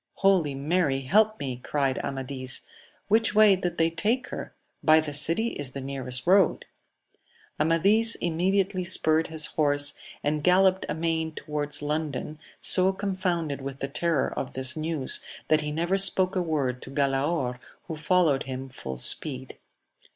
Holy Mary, help me ! cried Amadis : which way did they take her ?— By the city is the nearest road. Amadis immediately spurred his horse, and galloped amain towards London, so confounded with the terror of this news that he never spoke a word to Galaor, who followed him full speed.